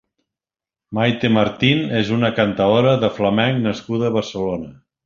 Mayte Martín és una cantaora de flamenc nascuda a Barcelona.